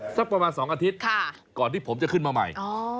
สักประมาณ๒อาทิตย์ก่อนที่ผมจะขึ้นมาใหม่